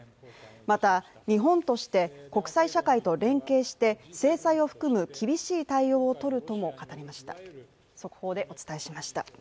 また、日本として国際社会と連携して制裁を含む厳しい対応を取るとも語りました。